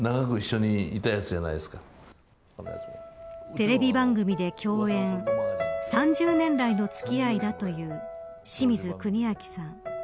テレビ番組で共演３０年来の付き合いだという清水国明さん。